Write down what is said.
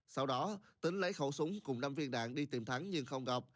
sau đó tính lấy khẩu súng cùng năm viên đạn đi tìm thắng nhưng không gặp